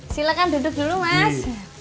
silakan duduk dulu mas